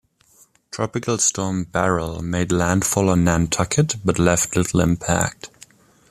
Tropical Storm Beryl made landfall on Nantucket, but left little impact.